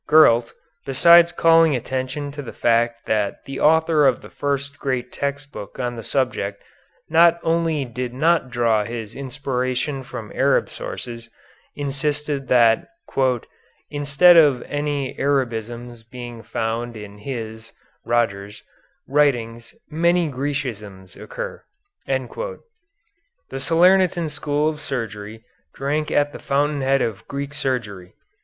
Gurlt, besides calling attention to the fact that the author of the first great text book on the subject not only did not draw his inspiration from Arab sources, insisted that "instead of any Arabisms being found in his [Roger's] writings many Græcisms occur." The Salernitan school of surgery drank at the fountain head of Greek surgery.